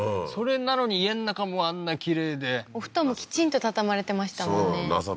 それなのに家の中もあんなきれいでお布団もきちんと畳まれてましたもんね